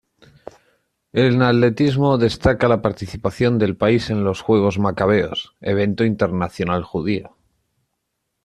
En atletismo, destaca la participación del país en los Juegos Macabeos, evento internacional judío.